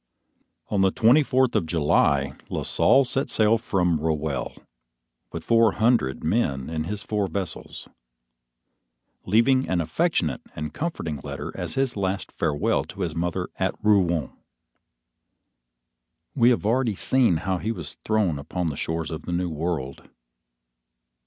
On the twenty fourth of July, La Salle set sail from Roehelle, with four hundred men in his four vessels, leaving an affectionate and comforting letter as his last farewell to his mother at Rouen. We have already seen how he was thrown upon the shores of the New World.